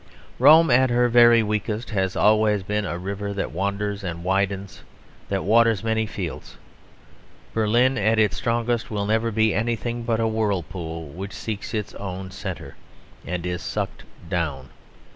Rome, at her very weakest, has always been a river that wanders and widens and that waters many fields. Berlin, at its strongest, will never be anything but a whirlpool, which seeks its own centre, and is sucked down.